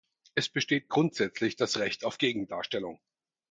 Es besteht grundsätzlich das Recht auf Gegendarstellung.